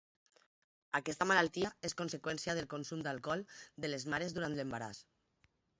Aquesta malaltia és conseqüència del consum d'alcohol de les mares durant l'embaràs.